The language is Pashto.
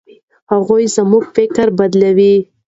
هغوی زموږ فکر بدلوي.